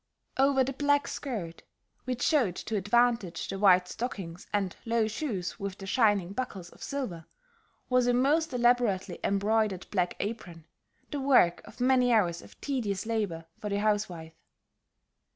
Over the black skirt, which showed to advantage the white stockings and low shoes with their shining buckles of silver, was a most elaborately embroidered black apron, the work of many hours of tedious labor for the housewife.